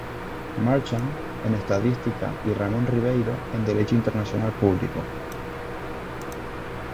Marchand, en estadística y Ramón Ribeyro, en derecho internacional público.